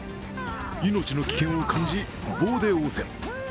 命の危険を感じ、棒で応戦。